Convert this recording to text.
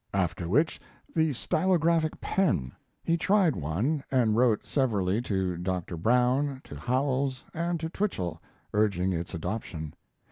After which, the stylo graphic pen. He tried one, and wrote severally to Dr. Brown, to Howells, and to Twichell, urging its adoption.